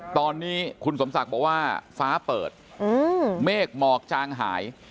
ตอนนี้คุณสมศักดิ์บอกว่าฟ้าเปิดเมฆหมอกจางหาย